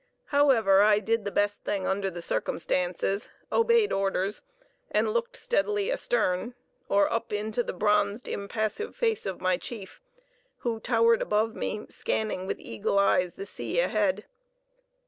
However, I did the best thing under the circumstances, obeyed orders, and looked steadily astern, or up into the bronzed, impassive face of my chief, who towered above me, scanning with eagle eyes the sea ahead.